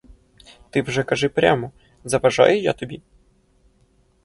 Ти вже кажи прямо: заважаю я тобі?